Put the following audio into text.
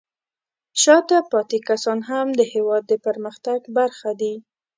شاته پاتې کسان هم د هېواد د پرمختګ برخه دي.